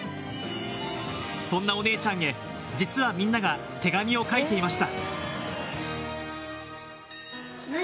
そんなお姉ちゃんへ、実はみんなが手紙を書いていました。